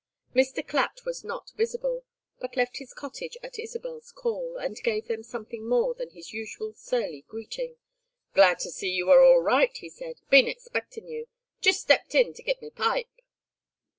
Mr. Clatt was not visible, but left his cottage at Isabel's call, and gave them something more than his usual surly greeting. "Glad to see you are all right," he said. "Been expectin' you. Jest stepped in to git my pipe."